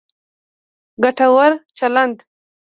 ګټور چلند